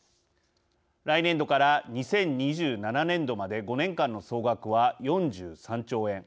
来年度から２０２７年度まで５年間の総額は４３兆円。